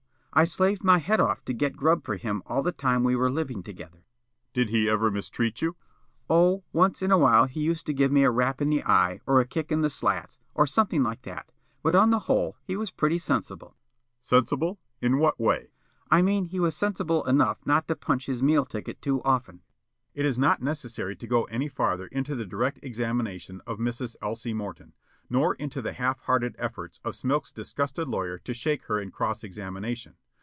I slaved my head off to get grub for him all the time we were living together." The State: "Did he ever mistreat you?" Witness: "Oh, once in a while he used to give me a rap in the eye, or a kick in the slats, or something like that, but on the whole he was pretty sensible." The State: "Sensible? In what way?" Witness: "I mean he was sensible enough not to punch his meal ticket too often." It is not necessary to go any farther into the direct examination of Mrs. Elsie Morton, nor into the half hearted efforts of Smilk's disgusted lawyer to shake her in cross examination.